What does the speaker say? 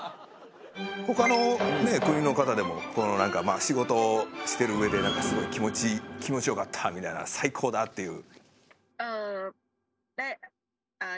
ほかの国の方でも何か仕事してる上で何かすごい気持ちよかったみたいな最高だっていう。